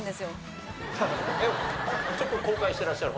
ちょっと後悔してらっしゃる？